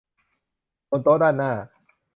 บนโต๊ะด้านหน้า